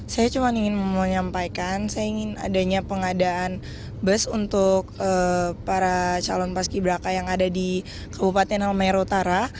saya cuma ingin menyampaikan saya ingin adanya pengadaan bus untuk para calon paski braka yang ada di kabupaten halmamero utara